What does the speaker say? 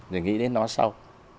rồi nghĩ đến nó sau